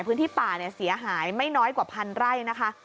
พื้นที่ป่าเสียหายไม่น้อยกว่าพันไร่นะคะ